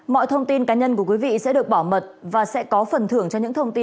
mọi thông tin cá nhân của quý vị sẽ được bảo mật và sẽ có phần thưởng cho những thông tin